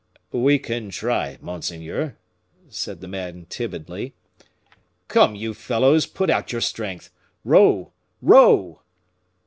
"We can try, monseigneur," said the man, timidly. "Come, you fellows, put out your strength; row, row!"